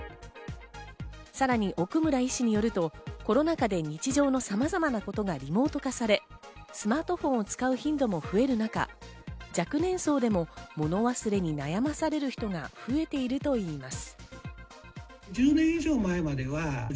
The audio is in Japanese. さらに奥村医師によるとコロナ禍で日常の様々なことがリモート化され、スマートフォンを使う頻度も増える中、若年層でも、もの忘れに悩まされる人が増えているといいます。